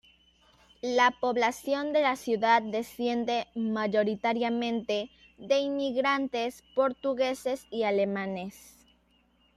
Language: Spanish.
La población de la ciudad desciende mayoritariamente de inmigrantes portugueses y alemanes.